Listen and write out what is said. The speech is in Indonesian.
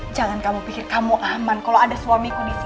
jangan kamu pikir kamu aman kalau ada suamiku disini